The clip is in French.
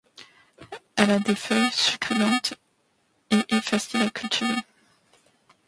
Elle a des feuilles succulentes et est facile à cultiver.